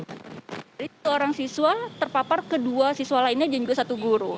jadi satu orang siswa terpapar kedua siswa lainnya jadi satu guru